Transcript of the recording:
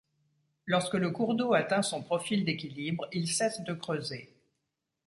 Lorsque le cours d'eau atteint son profil d'équilibre, il cesse de creuser.